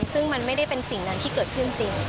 ซึ่งมันไม่ได้เป็นสิ่งนั้นที่เกิดขึ้นจริง